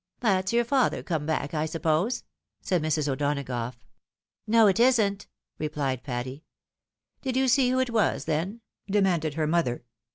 " That's your father come back, I suppose," said Mrs. O'Donagough. " No, it isn't," replied Patty. " Did you see who it was then? " demanded her mother.